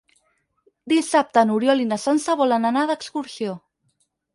Dissabte n'Oriol i na Sança volen anar d'excursió.